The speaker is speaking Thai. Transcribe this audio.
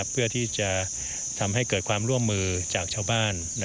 เพื่อที่จะทำให้เกิดความร่วมมือจากชาวบ้าน